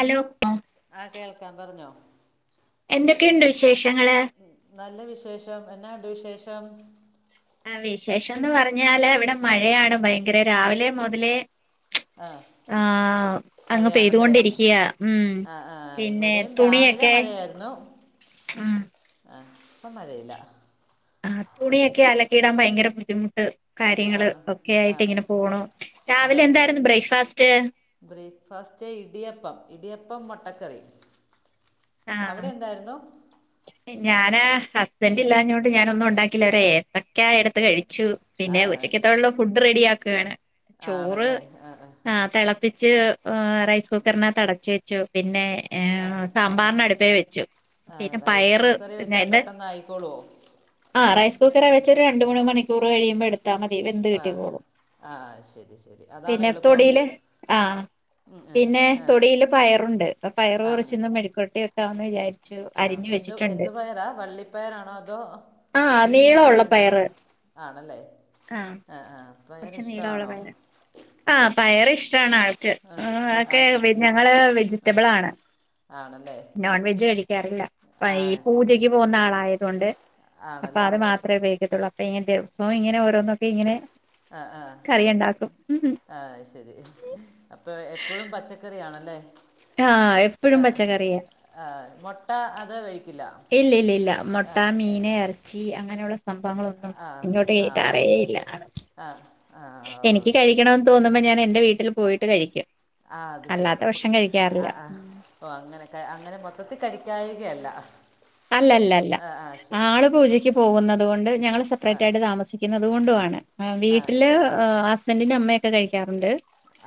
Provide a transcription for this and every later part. Hello ആ കേൾക്കാം പറഞ്ഞോ എന്തൊക്കെയുണ്ട് വിശേഷങ്ങള് നല്ല വിശേഷം എന്നാ ന്ത് വിശേഷം ആ വിശേഷം എന്ന് പറഞ്ഞാല് ഇവിടെ മഴയാണ് ഭയങ്കര രാവിലെ മുതലേ ആ ആ അങ്ങ് മഴയാണല്ലേ പെയ്തൊണ്ടിരിക്കയാ ഉം ആ ആ പിന്നെ ഇവിടെയും രാവിലെ തുണിയൊക്കെ മഴയായിരുന്നു ഉം ഇപ്പൊ മഴയില്ല ആ തുണിയൊക്കെ അലക്കിയിടാൻ ഭയങ്കര ബുദ്ധിമുട്ട് കാര്യങ്ങള് ആണോ ഒക്കെ ആ ആയിട്ട് ഇങ്ങനെ പോണു ആ രാവിലെ അതെതെ എന്തായിരുന്നു ബ്രേക്ക്ഫാസ്റ്റ് ബ്രേക്ക്ഫാസ്റ്റ് ഇടിയപ്പം ഇടിയപ്പം മ ക്കറി അവിടെ ആഹ് എന്തായിരുന്നു ഞാന് ഹസ്ബന്റ് ഇല്ലാഞ്ഞോണ്ട് ഞാനൊന്നുണ്ടാ ണ്ടാക്കില്ല ഏത്തക്ക എടുത്ത് കഴി ച്ചു ആ പിന്നെ ശരി ഉച്ചക്കത്തോടുള്ള ഫുഡ് റെഡിയ ആക്കുകയാണ് ചോറ് ആ തിളപ്പിച്ച് റൈസ് കുക്കറിനെ അടച്ചു വെച്ചു പിന്നെ ഏ ആ, സാമ്പാറിന അടുപ്പേ വെച്ചു ആ പിന്നെ ആ റൈസ് പയറ് കുക്കറിൽ വെച്ചാൽ പിന്നെതിന്റെ പെട്ടെന്ന് ആയിക്കോളുമോ ആ റൈസ് കുക്കറെ വെച്ചരു രണ്ട മൂന്ന് മണിക്കൂർ കഴിയുമ്പോ എടുത്ത് ത്താ മതി വെന്ത് ആ കിട്ടി പോകും ആ ശരി ശരി അതാണ് പിന്നെ എളുപ്പം തൊടില് ആ ഉം, ഉം, പിന്നെ ആ, തൊടിൽ പയറുണ്ട് പയർ ആണല്ലേ കുറച്ച്ന്ന് മെഴക്കൊര്ട്ടി [unintelligible] ചുഅരിഞ്ഞ വെ എന്തു പയറാ വള്ളിപ്പയറാണോ അതോ ആഹ് ബീൻസ് നീളമുള്ള അങ്ങനെയാണോ പയറ് ആണല്ലേ ആഹ് ആ ആ പയർ കുറച്ച് നീളവുള്ള ഇഷ്ടമാണോ പയറ് ആ പയർ ഇഷ് ട്ടാണ് ആൾക്ക് ആ ആ അക്കെ ഞങ്ങള് വെജിറ്റബിൾ ആണ് ആണല്ലേ നോൺ വെജ് കഴിക്കാറില്ല അപ്പ ആ ഈ ശരി പൂജക്ക് ശരി പോകുന്ന ആളായതുകൊണ്ട് അപ്പൊ ആണല്ലേ അത് മാത്രമേ ഉപയോഗിക്കത്തുള്ളൂ [unintelligible] മോൻ ഇങ്ങനെ ഓരോന്ന് ഒക്കെ ഇങ്ങനെ ആ ആ കറി ഉണ്ടാക്കും ആ ശരി അപ്പൊ എപ്പോഴും പച്ചക്കറി ആണല്ലേ ആ എപ്പോഴും പച്ചക്കറിയാ ആ മുട്ട അത് കഴിക്കില്ല ഇല്ല ഇല്ല ഇല്ല ആ മുട്ട മീൻ ശരി ഇറച്ചി അങ്ങനെയുള്ള - സംഭവങ്ങളൊന്നും ആ ഇങ്ങോട്ട് ആ ഓക്കെ കേറ്റാറേയില്ല ഓക്കെ ആ ആ എനിക്ക് ഓക്കെ കഴിക്കണംന്ന് തോന്നുമ്പ ഞാനെൻ റ്റെ വീട്ടില് പോയിട്ട് കഴിക്കും. ആ അത് ശരി. അല്ലാത്ത അപ്പൊ പക്ഷം ആ കഴിക്കാറില്ല ആ ഓ അങ്ങനെ ക അങ്ങനെ മൊത്തത്തിൽ കഴി ക്കായികയല്ല അല്ല അല്ല അല്ല ആള് പൂജക്ക് പോകുന്നത് കൊണ്ട് ഞങ്ങള് ആ സെപ്പറേറ്റ് ആയിട്ട് താമസിക്കുന്നത് കൊണ്ടു ആണ് ആ വീട്ടില് ശരി ശരി ഹസ്ബന്റിന്റെ അമ്മയൊക്കെ കഴി ക്കാറുണ്ട്.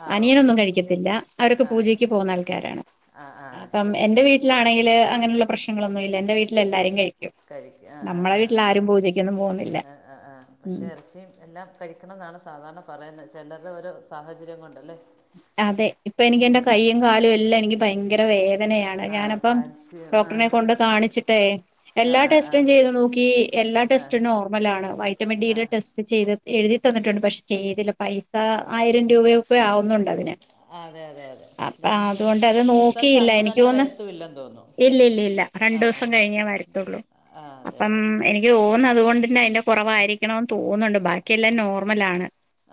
ആ ഓക്കെ അനിയനൊന്നും കഴിക്കത്തില്ല അവരൊക്കെ ആ പൂജക്ക് ശരി പോകുന്ന ആൾക്കാരാണ് ആ ആ അപ്പം ശരി എന്റെ ശരി വീട്ടിലാണെങ്കില് അങ്ങനെയുള്ള പ്രശ്നങ്ങളൊന്നുംല്ല എ ന്റെ വീട്ട്ലെല്ലാരും കഴി കഴിക്ക ആ ആ ആ ഇറച്ചി പോകുന്നില്ല ആ ആ ആ ഉം പക്ഷേ ഇറച്ചിയും എല്ലാം കഴിക്കണം എന്നാണ് സാധാരണ പറയുന്നത് ചെലതോരോ സാഹചര്യംകൊണ്ടല്ലേ അതെ ഇപ്പൊ എനിക്കെന്റെ കയ്യും കാലുംഎല്ലാം എനിക്ക് ഭയങ്കര വേ ദനയാണ് ആ ഞാനപ്പം കാൽസ്യം ആ ഡോക്ടറിനെ കൊണ്ട് കാണിച്ചിട്ടേ എല്ലാ ടെസ്റ്റും ചെയ്ത് നോക്കി എല്ലാ ടെസ്റ്റും നോർമലാണ് വൈറ്റമിൻ ഡിയുടെ ടെസ്റ്റ് ചെയ്ത എഴുതി തന്നിട്ടുണ്ട് പക്ഷെ ചെയ്തില്ല പൈസ ആയിരം രൂപയൊക്കെ ആവുന്നൊ ണ്ടതിന് അതെ അതെ അതെ അപ്പ രണ്ടാലും അതോണ്ട് അത് റിസൾട്ട് നോക്കിയില്ല അന്ന് തന്നെ എനിക്ക്തോന്ന് വരത്തുമില്ലെന്ന് തോന്നുന്നു ഇല്ലില്ലില്ല ആ ആ രണ്ടൂസം കഴിഞ്ഞേ വരത്തുള്ളൂ ആ അതെ അപ്പം അതെ എനിക്ക് തോന്ന് അതോണ്ട്ന്നെ അതിന്റെ കുറവായിരിക്കണംന്ന് തോന്നെണ്ട്.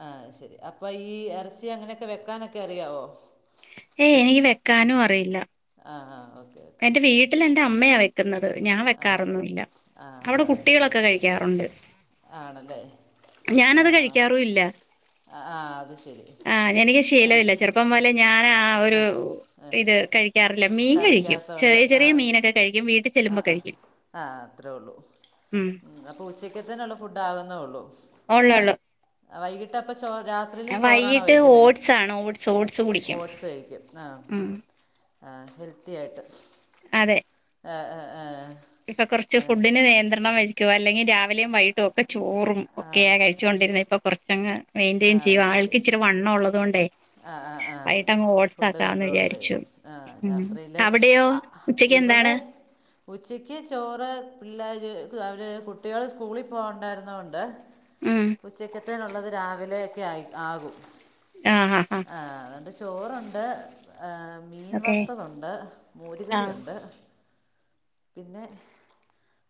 ആ ശെരി അപ്പൊ ഈ എറച്ചിങ്ങനെയൊക്കെ വെക്കാനൊക് [unintelligible] [unintelligible] ക്കെറിയാവോ [unintelligible] ഏയ് എനിക്ക് വെക്കാനുംറിയില്ല ആ ആ ഓക്കെ ഓക്കെ എന്റെ വീട്ടിൽ എന്റെ അമ്മയാ വെക്ക്- ത്ർന്നാ [unintelligible] ഞാൻ ആണല്ലേ വെക്കാറൊന്നില്ല ആ അവിടെ ആ കുട്ടികളൊക്കെ ശരി കഴിക്കാറുണ്ട് ആണല്ലേ ഞാനത് ആ കഴിക്കാറുല്ല ആ ആ അത് ശരി ആ എനിക്ക് ആ ശീലല്ല ചെറുപ്പം മുതലേ ഞാൻ - ആ ആ ഇത് ഇത്. കഴിക്കാറുല്ല മീൻ കഴിക്കും ആ കറിക്കകത്തോണ്ട് ചെറിയ ചെറിയ ആ മീനൊക്കെ കഴിക്കും വീട്ടിൽ ചെല്ലുമ്പോ ആ കഴിക്കും ആ അത്രേള്ളൂ ഉം മ് അപ്പൊ ഉച്ചക്കത്തീനുള്ള ഫുഡ് ആകുന്നേള്ളൂ ഒളെള ള്ളു ആ വൈകിട്ട അപ്പൊ - ചോ രാത്രിയിൽ ചോറാണോ വൈകിട്ട് കഴിക്കുന്നെ ഓട്സ് ആണ് ഓട്സ് ഓട്സ് കുടിക്കും ഓട്ട്സ്ഴിക്കും ആ ഉം ആ ഒരുത്തി- [inaudible] അതെ അ അ അ ഇപ്പൊ കെർച്ച് ഫുഡിന് നിയന്ത്രണം വെ കുവെല്ലെങ്കിൽ രാവിലേം വൈകിട്ടും ഒക്കെ ചോറും ഒക്കെയെ കഴിച്ചോണ്ടിരുന്നെ ഇപ്പൊ കൊറച്ച് ചെങ്ങ ആ മെയിന്റെയ്ൻ ചെയ്യുവാ ശരി ആൾക്ക് ഇച്ചിരി വണ്ണള്ളതോണ്ട് ആ ആ ആ വെയിട്ടങ്ങ് ഓട്സ് ഫുഡ് ആക്കാന്ന് കണ്ട്രോൾ വിചാരിച്ചു ചെയ്യും ആ ഉമ് രാത്രിയിൽ അവിടെയോ ഉച്ചക്ക് എന്താണ് ഉച്ചക്ക് ചോറ് പിള്ളേർ ക്ക് അവർ കുട്ടികൾ സ്കൂളിൽ പോണ്ഡേര് ന്നോണ്ട് ഉം ഉച്ചക്കെ ത്ത്നുള്ളത് രാ വലെയെക്കെ ആയി ആകും അ അ ഹ ത് ചോറുണ്ട് ഹ് ഹെ മീൻ ഓക്കെ വറുത്തതൊണ്ട് ആഹ് മോരുകറിയുണ്ട് പിന്നെ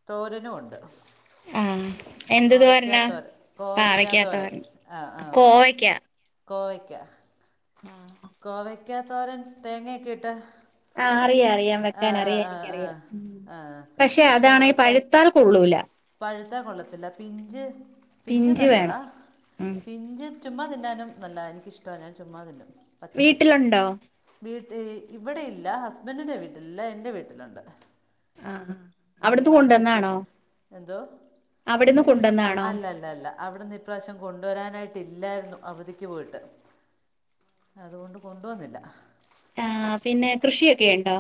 തോരനുണ്ട് ആ എന്തു തോരനാ തോരൻ കോവയ്ക്കാ പാവക്കാ തോരൻ ആ ആ കോവയ്ക്കാ കോവയ്ക്ക കോവ യ്ക്കാത്തോരൻ തേങ്ങയ് ക്കിട്ടാ ആ അറിയാം അറിയാം വെക്കാൻ അറിയാം ആ എനിക്കറിയാം ആ പക്ഷെ അതാണെ പഴുത്താൽ കൊള്ളൂല ഇ കൊള്ളത്തില്ല പിഞ്ച് പിഞ്ച് നല്ലതാ ഉം പിഞ്ച് ചുമ്മാ തിന്നാനും നല്ല എനിക്കിഷ്ടമാണ് ഞാൻ ചുമ്മാതിന്നും വീട്ടിലുണ്ടോ ഇവിടെയില്ല ഹസ്ബൻന്റിന്റെ വീട്ടിലില്ല എന്റെ വീട്ടിലുണ്ട് ആഹ് ഉ അവിടുന്ന് അവിടെ വെച്ച് കൊണ്ടുവന്നാണോ എന്തോ അവിടുന്ന് കൊണ്ടുവന്നാണോ അല്ല അല്ല അല്ല അവിടെന്ന് ഇപ്രാവശ്യം കൊണ്ടുവരാനായിട്ട് ഇല്ലായിരുന്നു അവധി പോയിട്ട് അതുകൊണ്ട് കൊണ്ടുവന്നില്ല ആ പിന്നെ കൃഷിയൊക്കെ ഉണ്ടോ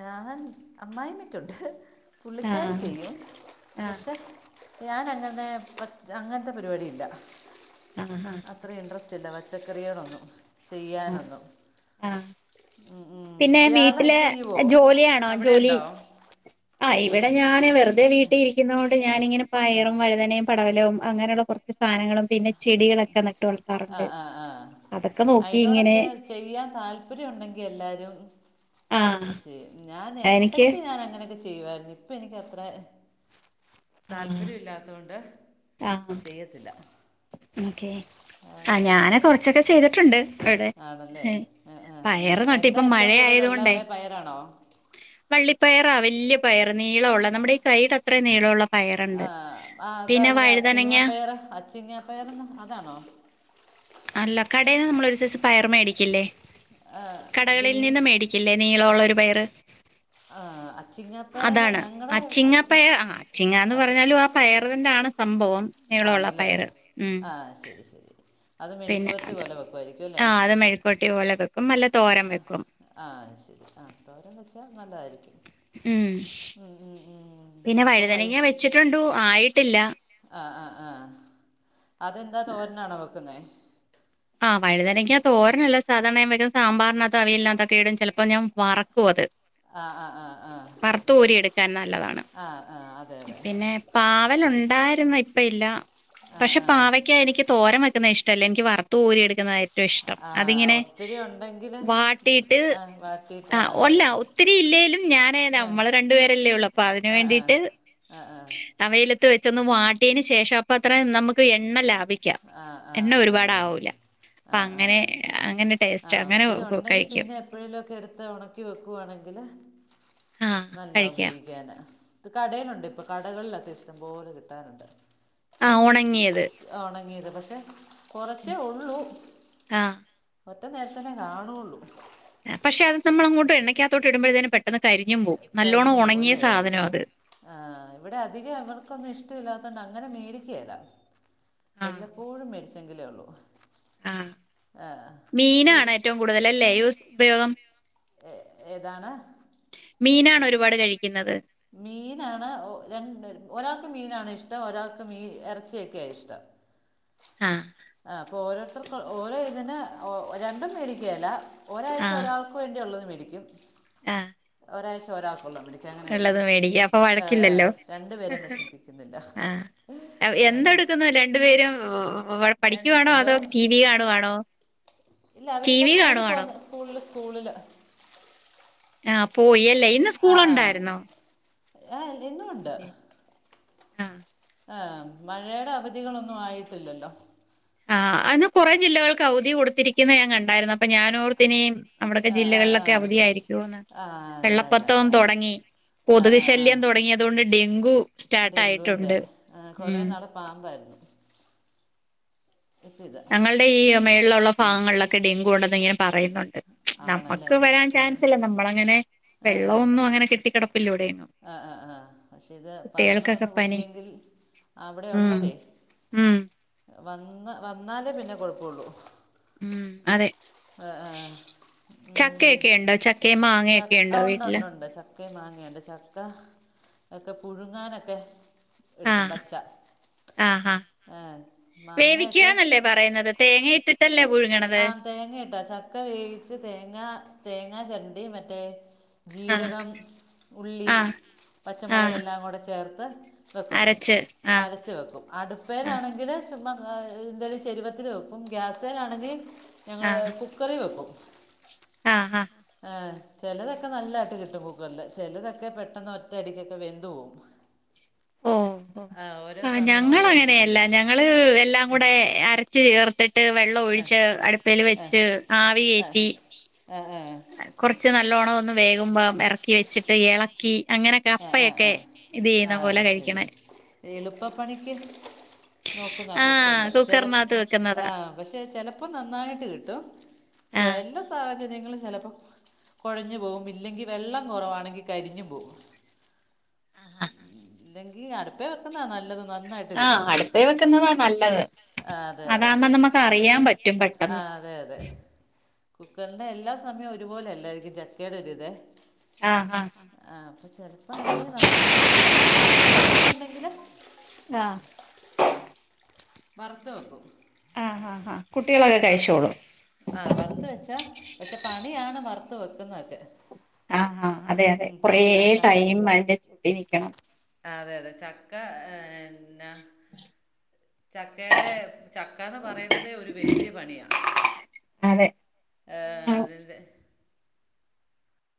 ഞാൻ അമ്മായിമ്മക്കുണ്ട് പുള്ളിക്കാരി ആഹ് ചെയ്യും ആഹ് പക്ഷേ ഞാൻ അങ്ങനെ അങ്ങനത്തെ പരിപാടി ഇല്ല ആഹ് ആഹ് അത്ര ഇഡ്രൻസ്റ്റില്ല പച്ചക്കറികളൊന്നും ആഹ് ചെയ്യാനൊന്നും ആഹ് ഉം പിന്നെ ഇയാള് വീട്ടിലെ ചെയ്യുവോ ജോലിയാണോ അവിടെ ജോലി ഉണ്ടോ ആ ഇവിടെ ഞാന് വെറതെ വീട്ടിയിരിക്കുന്നോണ്ട് ഞാനിങ്ങനെ ഏ, പയറും വഴുനയും പടവലവും- അങ്ങനെയുള്ള കുറച്ച് സാധനങ്ങളും പിന്നെ- ചെടികളൊക്കെ നട്ട് ആ വളർത്താറുണ്ട് ആ ആ അതൊക്കെ നോക്കി ഇങ്ങനെ അയിനോടൊക്കെ ചെയ്യാൻ താല്പര്യം ഉണ്ടെങ്കിൽ എല്ലാരും ആഹ് ചെയ്യും. ഞാൻ എനിക്ക് ഇടക്ക് ഞാൻ അങ്ങനൊക്കെ- ചെയ്യുവാരുന്നു ഇപ്പ എനിക്കത്രെ- ആഹ് താല്പര്യം ഇല്ലാത്തതുകൊണ്ട് ചെയ്യത്തില്ല ഒക്കെ ഇവിടെ [inaudible] ആണല്ലേ ആ ആ പയറ് നട്ട് എന്താ ഇപ്പം മഴ ഏറ്റവും കൂടുതല് ആയത് ഉള്ളത് കൊണ്ടേ അവിടെ പയറാണോ ആ വലിയ പയർ നീള ഉള്ള നമ്മുടെ ഈ കയ്യുടെ അത്ര നീളമുള്ള പയറുണ്ട് ആ ആ, പിന്നെ വഴുതനങ്ങ പേ [inaudible] ഒരു സൈസ് പയർ മേടിക്കില്ലേ ആ, ബി കടകളിൽ നിന്ന് മേടിക്കില്ലേ നീളമുള്ളഒരു പയറ് ആ, അച്ചിങ്ങാപ്പയർ അതാണ്. ഞങ്ങളുടെ അച്ചിങ്ങ അച്ചി പയർ അത് സംഭവം നീളം ഉള്ള ആണല്ലേ പയറ് ആ ശരി ശരി അത് പിന്നെ മെഴുക്കുവരട്ടി അത് പോലെ വെയ്യ്കുമായിരിക്കും യിരിക്കും അല്ലേ ആ അത് മെഴുക്കോട്ടി പോലെ വെക്കും അല്ല തോരൻ വെക്കും [unintelligible] ആ ശരി ആ തോരൻ വെച്ചാ നല്ലതായിരിക്കും ഉം, ഉം, [unintelligible] ഉം. പിന്നെ അപ്പോൾ വഴുതന വൈ വെച്ചിട്ടുണ്ടു ആയിട്ടില്ല ആ ആ ആ അതെന്താ തോരനാണോ വെക്കുന്നത് ന്നത് [inaudible] ആ വഴുതനങ്ങ തോരനല്ല സാധാരണ അവിയൽലിനകത്തും, സാമ്പാറിനകത്തും ഇടും ചിലപ്പോൾ ഞാൻ വറക്കും അത് ആ ആ ആ ആ വറുത്തു കോരി ഇട്ക്കാൻ നല്ലതാണ് ആ ആ അതെ അതെ പിന്നെ പാവൽ ഉണ്ടായിരുന്നു ഇപ്പ ഇല്ല ആ പക്ഷെ ആ പാവയ്ക്ക എനിക്ക് തോരൻ വെ- ക്കുന്നെ ഇഷ്ട്ടല്ല ഇന്ക് വറ തൂരി എടുക്കുന്നതായിരിക്കും റ്റവും ഇഷ്ടം ആ അതിങ്ങനെ ഒത്തിരി ഉണ്ടെങ്കിൽ വാട്ടിട്ട് ആ വാട്ടിയിട്ട് ആ അതെ ഒല്ല അതെ ഒത്തിരി ഇല്ലേലും ഞാനേ ആ നമ്മള് രണ്ടുപേരല്ലേ ഉള്ളൂ അപ്പൊ അതിന് ആ ആ വേണ്ടിട്ട് ആ അ വെയിലത്ത് വെ ചൊന്ന് വാട്ട്യേന് ശേഷം പ്പ അത്ര നമ്മക്ക് എണ്ണ ലാ വെക്ക ആ ആ ആ എണ്ണ അതെ ഒരുപാട് അതെ ആവു ആ ആ ആ ടേസ്റ്റ് അങ്ങനെ ഒത്തിരി ഉണ്ടെങ്കി കഴിക്കും പിന്നെ എപ്പഴെലും ഒക്കെ എടുത്ത് ഉണക്കി വെക്കുവാണെങ്കില് ആഹ് നല്ല കഴിക്കാം ഉപയോയിക്കാന ഇത് കടയിലുണ്ട് പ്പൊ കടകളിലൊക്കെ ഇഷ്ടംപോലെ കിട്ടാനുണ്ട് ആ ഉണങ്ങിയത് ണങ്ങിയത് പക്ഷെ കുറച്ചേ ഉള്ളൂ ആഹ് ഒറ്റ നേരത്തന്നെ കാണുള്ളൂ ആ പഷേ അഹ് നമ്മളങ്ങോട്ട് എണ്ണക്ക്യാത്തോട്ട് ഇടുമ്പയ്തെന്നെ പെ ക്കരിഞ്ഞു പോവല്ലേ സാധനവാ അത് ആഹ് ഇവിടെ അധികം അവർക്കൊന്നും ഇഷ്ടമില്ലാ ക്കന്ന് അങ്ങനെ മേടിക്കേല്ല ആഹ് എല്ലപ്പോഴും മേടിച്ചെങ്കിലേ ഉള്ളൂ ആഹ് ആഹ് അത്ര മീനാണ് ഇഷ് ഏറ്റവും കൂടുതൽ അല്ലേ പയോഗം ഏ ഏതാണ് മീനാണ് ഒരുപാട് കഴിക്കുന്നത് മീനാണ് ഒ രണ്ട് ഒരാൾക്ക് മീനാണ് ഇഷ്ടം ഒരാൾക്ക് മീ ഇറച്ചിയൊക്കെയ ഇഷ്ടം ആഹ് ആ അപ്പൊ ഓരോര് [unintelligible] ഓരോ ഇതിന് ഒ രണ്ടും മേടിക്കല്ല ഒരാഴ്ച ഒരാക്ക് വേണ്ടിയുള്ളത് മെ യൊ ആ ഒരാഴ്ച ഒരാക്കുള്ള വിളിക്ക ങ്ങനെ വും [unintelligible] അപ്പൊ വഴക്കില്ലല്ലോ വിഷമിപ്പിക്കുന്നില്ല ആ രണ്ട് എന്തെടുക്കുന്നു രണ്ടു പേരും പഠിക്കുവാണോ അതോ എന്തോ ടിവി കാണുവാണോ ടിവി കാണുവാണോ സ്കൂളില് അ പോയൽ ല്ല യിന്ന് സ്കൂളുണ്ടായിരുന്നോ? ആഹ് [unintelligible] ആ ഏ മഴെടെ അവധികളൊന്നും ആയിട്ടില്ലല്ലോ ആ അന്ന് കൊറെ ജില്ലകൾക്ക് അയുധി കൊട്ത്തിരി ക്കിന്നെ ഞാ കണ്ടായിര്ന്ന് അ അപ്പൊ ഞാനോർത്തിനി അമ്മടെ ഒക്കെ ആ ആ ആ ജില്ലകളിലൊക്കെ അവധിയായിരിക്കുന്ന് ആ അല്ല അല്ല വെള്ളപ്പത്തോം അല്ല തൊടങ്ങി ആ കൊത്ക് ആ ആ ശല്യം തൊടങ്ങി അതുകൊണ്ട് ഡെങ്കു സ്റ്റാർട്ട ഡെങ്കുവിൻ്റെ ആയിട്ടുണ്ട് ആ ഉം കുറേ നാൾ പാമ്പായിരുന്നു ഇപ്പം ഇതാ ഞങ്ങളുടെ ഈ മേൾലുള്ള ഭാഗങ്ങളിലൊക്കെ ഡെങ്കു കൊണ്ടന്ന് ഇങ്ങനെ പറയുന്നുണ്ട് ആണല്ലേ നമ്മക്ക് വരാൻ അപ്പം അത് ചാൻസില്ല നമ്മളങ്ങനെ ആ വെള്ള ആ ഒന്നും അങ്ങനെ കെട്ടി കെടപ്പില്ല ഇവടെ ആ ആ ആ പക്ഷേ ഇത് പറന്ന് കുട്ടികൾക്കൊക്കെ വന്ന് പനി കുത്തിയെങ്കിൽ അവിടെ ഉം ഉള്ളതേ ഉം വന്ന വന്നാലേ പിന്നെ കൊഴപ്പ ഒള്ളു ഉം അതെ ഹ് ആ ഉം ചക്കയൊക്കെ ഉണ്ടോ ചക്കയും മാങ്ങയൊക്കെ ഉണ്ടോ ചക്ക ഒണ്ട് വീട്ടില് ഒണ്ട് ഒണ്ട് ച ചക്കേം മാങ്ങേയിണ്ട് ചക്ക ഒക്കെ പുഴുങ്ങാനൊക്കെ എട്ക്കും ആഹ് പച്ച ആഹ് ആഹ് ആ മാങ്ങയൊക്കെ വേവിക്കുകന്നല്ലേ പറയുന്നത് തേങ്ങ ഇട്ടിട്ടല്ലേ പുഴുങ്ങണത് ആ തേങ്ങ ഇട്ടാ ചക്ക വേവിച്ച് തേങ്ങ തേ തേങ്ങ ചെരണ്ടി മറ്റേ ആഹ് ജീരകം ഉള്ളി ആഹ് ആഹ് പച്ചമുളകെല്ലാം കൂടെ ചേർ [unintelligible] വെക്കും അരച്ച് ആഹ് അരച്ച് വെക്കും ആഹ് അടുപ്പേലാണെങ്കിൽ ചുമ്മാ ആ ഹ് എന്തേലും ചെരുവത്തിൽ വെക്കും ഗ്യാസെലാണെങ്കി ഞങ്ങൾ കുക്കറി വെക്കും ആ ആ ആ ചിലതൊക്കെ നല്ലാട്ട് കിട്ടും കുക്കറിൽ ചിലതൊക്കെ പെട്ടെന്ന് ഒറ്റയടിക്കൊക്കെ വെന്ത് പോകും ഓ ഓ ആ ഞങ്ങൾ ഓരോ അങ്ങനെയല്ല രീതിയിലാ ഞങ്ങൾ എല്ലാം കൂടെ അരച്ച് ചേർത്തി ട്ട് വെള്ളം ഒഴിച്ച് അടുപ്പേൽ വെച്ച് ആവി കേറ്റി ആഹ് ആഹ് കുർച്ച് നല്ലോണം ഒന്ന് വേകുമ്പം എറക്കി വെച്ചിട്ട് എളക്കി അങ്ങനെ ആ ആ കപ്പയൊക്കെ ഇത് ആ ആ ചെയ്യുന്ന പോലെ ശരി കഴിക്കണേ എളുപ്പപ്പണിക്ക് നോക്കുന്നാ ആഹ് കുക്കർല് ചെല കുക്കറിനകത്ത് ആ വെക്കുന്നതാ പക്ഷെ ചെലപ്പോ നന്നായിട്ട് കിട്ടും ആഹ് ചെല സാഹച ഞങ്ങൾ ചിലപ്പോ കൊഴഞ്ഞ് പോവും ഇല്ലെങ്കിൽ വെള്ളം കൊറവാണെങ്കി കരിഞ്ഞും പോവും ആ ആ ഇല്ലെങ്കി അടുപ്പേ വെക്കുന്നാ നല്ലത് ന ആഹ് അടുപ്പേ വെക്കുന്നതാ നല്ലത് ആഹ് അതെ അതെ അതാമ്പോ നമ്മുക്ക് അറിയാൻ പറ്റും ആ പെട്ടെന്ന് അതെ അതെ കുക്കറിൻ്റെ എല്ലാ സമയവും ഒരുപോലെ അല്ലായിരിക്കും ചക്കയുടെ ഒരു ഇതേ ആഹ് ആഹ് ചിലപ്പാണെങ്കിൽ ന ന നന്നായിട്ട് കിട്ടും പിന്നെ ഒത്തിരി ഉണ്ടെങ്കില് ആഹ് വറുത്ത് വെക്കും ആഹ് ആഹ് ആഹ് കുട്ടികളൊക്കെ വറ കഴിച്ചോളും ആ വറുത്ത് വെച്ചാൽ പക്ഷെ പണിയാണ് വറുത്ത് വെക്കുന്നൊക്കെ ആഹ് ആഹ് അതെ അതെ കൊറെ ടൈം അടുത്ത് നിക്കണം ആ, അതെ അതെ ചക്ക എന്ന ചക്കെടെ ചക്കന്ന് പറയുന്നതെ ഒരു വല്ല്യ പണിയാ അതെ ഏഹ് അതിന്റെ